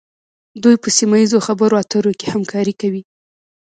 دوی په سیمه ایزو خبرو اترو کې همکاري کوي